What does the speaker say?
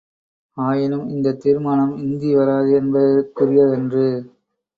ஆயினும் இந்தத் தீர்மானம் இந்தி வராது என்பதற்குரியதன்று.